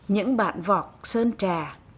những bạn vọc sân trà